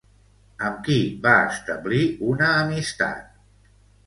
Amb qui va establir una amistat?